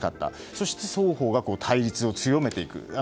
そして双方が対立を強めていく。